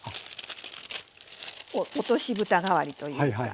落とし蓋代わりというか。